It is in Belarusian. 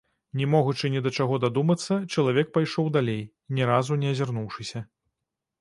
Не могучы ні да чаго дадумацца, чалавек пайшоў далей, ні разу не азірнуўшыся.